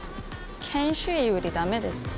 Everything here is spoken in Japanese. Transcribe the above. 研修医より駄目です。